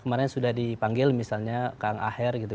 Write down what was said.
kemarin sudah dipanggil misalnya kang aher gitu